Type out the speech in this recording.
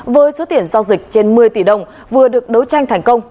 với số tiền giao dịch trên một mươi tỷ đồng vừa được đấu tranh thành công